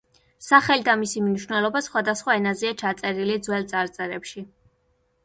სახელი და მისი მნიშვნელობა სხვადასხვა ენაზეა ჩაწერილი ძველ წარწერებში.